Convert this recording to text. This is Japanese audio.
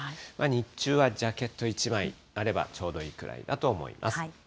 日中はジャケット１枚あればちょうどいいくらいだと思います。